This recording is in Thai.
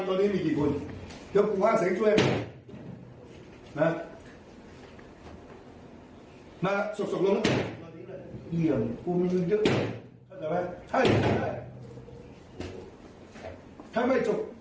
ครูมีตึงแล้วสร้างเกมแม่นใครมีเงินทุกอย่างใช้ไม่ต้องร๑๙๖๓